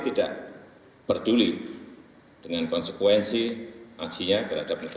tidak peduli dengan konsekuensi aksinya terhadap negara